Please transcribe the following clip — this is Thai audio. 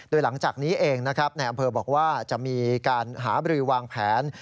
โดยหลังจากนี้เองนะครับในอำเภอบอกว่าจะมีการหาบรือวางแผน